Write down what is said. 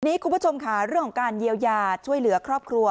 คุณผู้ชมค่ะเรื่องของการเยียวยาช่วยเหลือครอบครัว